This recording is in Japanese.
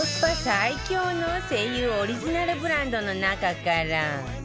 最強の ＳＥＩＹＵ オリジナルブランドの中から